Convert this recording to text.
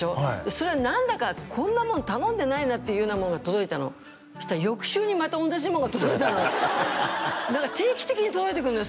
それは何だかこんなもん頼んでないなっていうようなものが届いたのそしたら翌週にまた同じものが届いたのだから定期的に届いてくるのよ